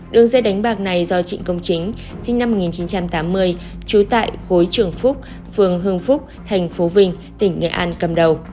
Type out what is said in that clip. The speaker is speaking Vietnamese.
đường dây đánh bạc này do trịnh công chính sinh năm một nghìn chín trăm tám mươi trú tại khối trường phúc phường hương phúc thành phố vinh tỉnh nghệ an cầm đầu